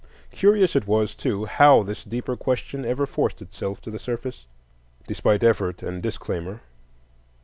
Curious it was, too, how this deeper question ever forced itself to the surface despite effort and disclaimer.